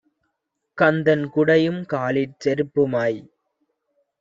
கந்தன், குடையும் காலிற் செருப்புமாய்